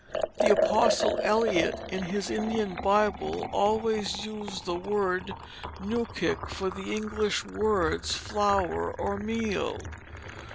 The apostle Eliot, in his Indian Bible, always used the word nookick for the English words flour or meal.